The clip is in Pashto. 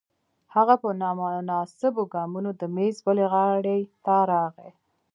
هغه په نامناسبو ګامونو د میز بلې غاړې ته راغی